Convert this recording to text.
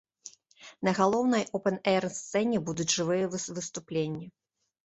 На галоўнай оўпэн-эйр-сцэне будуць жывыя выступленні.